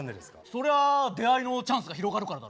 そりゃ出会いのチャンスが広がるからだろ。